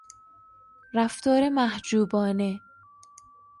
رفتار محجوبانه